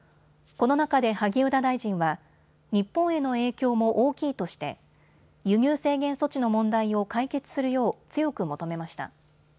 この中で萩生田大臣は日本への影響も大きいとして輸入制限措置の問題を解決するよう強く求めました。